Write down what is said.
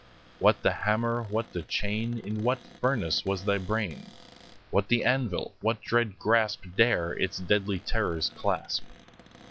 What the hammer? what the chain? In what furnace was thy brain? What the anvil? What dread grasp 15 Dare its deadly terrors clasp?